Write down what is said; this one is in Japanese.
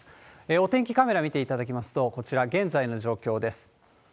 お天気カメラ見ていただきますと、こちら、現在の状況です。